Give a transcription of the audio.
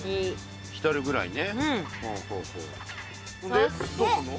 でどうするの？